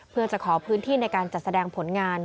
เพื่อจะขอพื้นที่ในการจัดแสดงผลงาน